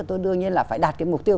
tôi đương nhiên là phải đạt cái mục tiêu